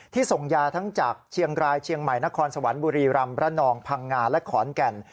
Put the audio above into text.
ส่งยาทั้งจากเชียงรายเชียงใหม่นครสวรรค์บุรีรำระนองพังงาและขอนแก่น